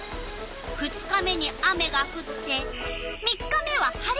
２日目に雨がふって３日目は晴れる。